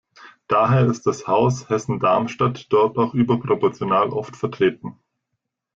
Daher ist das Haus Hessen-Darmstadt dort auch überproportional oft vertreten.